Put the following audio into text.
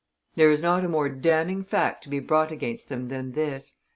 There is not a more damning fact to be brought against them than this.